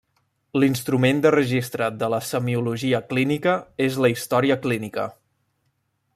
L'instrument de registre de la semiologia clínica és la història clínica.